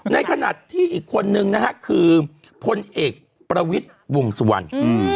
ในขณะที่อีกคนนึงนะฮะคือพลเอกประวิทย์วงสุวรรณ